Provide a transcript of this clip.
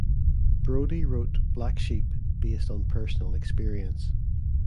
Brody wrote "Black Sheep" based on personal experience.